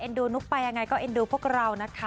ดูนุ๊กไปยังไงก็เอ็นดูพวกเรานะคะ